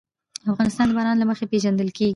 افغانستان د باران له مخې پېژندل کېږي.